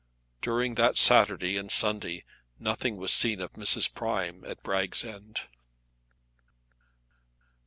During that Saturday and Sunday nothing was seen of Mrs. Prime at Bragg's End.